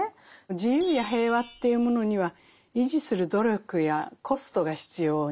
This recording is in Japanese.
自由や平和というものには維持する努力やコストが必要になりますね。